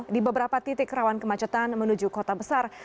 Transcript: di beberapa titik rawan kemacetan menuju kota besar